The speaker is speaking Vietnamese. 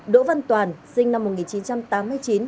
đỗ văn toàn sinh năm một nghìn chín trăm tám mươi chín